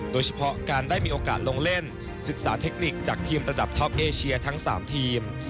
โดยเฉพาะการได้มีโอกาสลงเล่นศึกษาเทคนิคจากทีมระดับท็อปเอเชียทั้ง๓ทีม